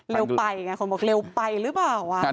เร็วไปง่ายน่ะคนบอกเร็วไปรึเปล่าวะ